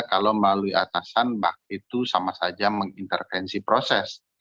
kalau melalui atasan itu sama saja mengintervensi proses